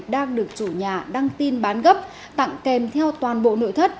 đang được chủ nhà đăng tin bán gấp tặng kèm theo toàn bộ nội thất